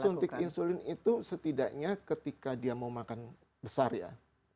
suntik insulin itu setidaknya ketika dia mau makan besar ya